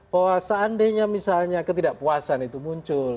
bahwa seandainya misalnya ketidakpuasan itu muncul